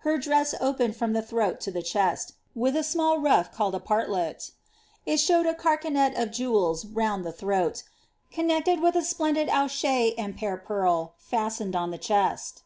Her dress opened from the throat to the chest, wilh a verv small nitTi called & partlet;* it showed a earcsnet of jewels round the throat, connected with a splendid awche and pear pearl I'astened on the cheat.